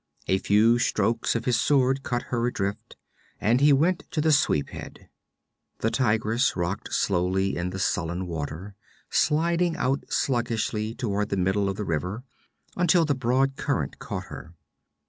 A few strokes of his sword cut her adrift, and he went to the sweep head. The Tigress rocked slowly in the sullen water, sliding out sluggishly toward the middle of the river, until the broad current caught her.